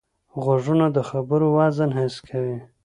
غوږونه د خبرو وزن حس کوي